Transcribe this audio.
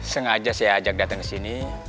sengaja saya ajak datang ke sini